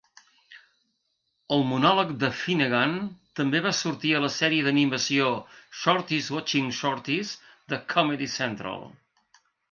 El monòleg de Finnegan també va sortir a la sèrie d'animació 'Shorties Watchin' Shorties' de Comedy Central.